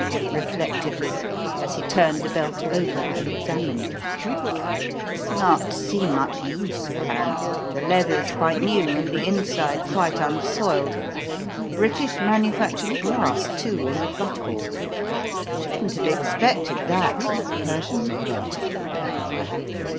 reflectively, as he turned the belt over and examined it. "Not seen much use, apparently; the leather's quite new, and the inside quite unsoiled. British manufactured brass, too, in the buckle. Shouldn't have expected that in a Persian made article.